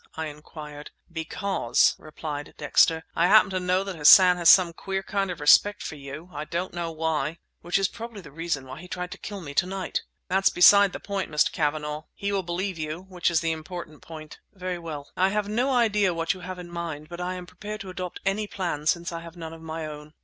I inquired. "Because," replied Dexter, "I happen to know that Hassan has some queer kind of respect for you—I don't know why." "Which is probably the reason why he tried to kill me to night!" "That's beside the question, Mr. Cavanagh. He will believe you—which is the important point." "Very well. I have no idea what you have in mind but I am prepared to adopt any plan since I have none of my own.